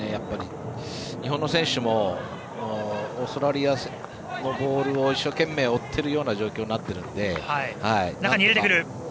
日本の選手もオーストラリアのボールを一生懸命、追っているような状況になっているので。